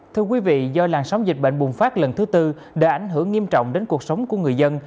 thưa quý vị do làn sóng dịch bệnh bùng phát lần thứ tư đã ảnh hưởng nghiêm trọng đến cuộc sống của người dân